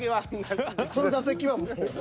その打席はもう。